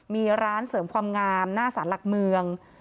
มีร้านเสริมความงามหน้าสารหลักเมือง